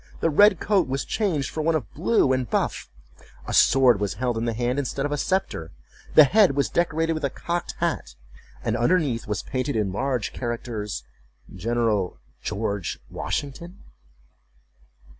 The red coat was changed for one of blue and buff, a sword was held in the hand instead of a sceptre, the head was decorated with a cocked hat, and underneath was painted in large characters, GENERAL WASHINGTON.